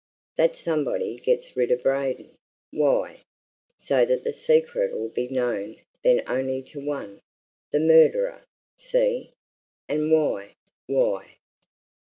That somebody gets rid of Braden. Why? So that the secret'll be known then only to one the murderer! See! And why? Why?"